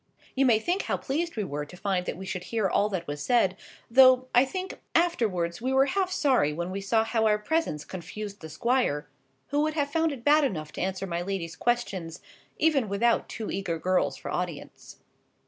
You may think how pleased we were to find that we should hear all that was said; though, I think, afterwards we were half sorry when we saw how our presence confused the squire, who would have found it bad enough to answer my lady's questions, even without two eager girls for audience.